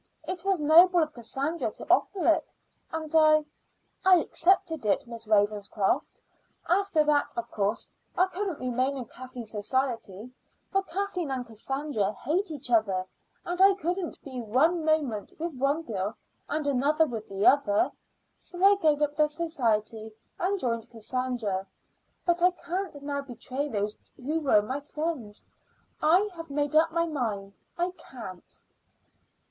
It was noble of Cassandra to offer it, and I I accepted it, Miss Ravenscroft. After that, of course, I couldn't remain in Kathleen's society, for Kathleen and Cassandra hate each other, and I couldn't be one moment with one girl and another with the other; so I gave up the society and joined Cassandra. But I can't now betray those who were my friends. I have made up my mind; I can't."